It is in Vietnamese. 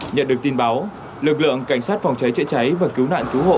nhận được tin báo lực lượng cảnh sát phòng cháy chữa cháy và cứu nạn cứu hộ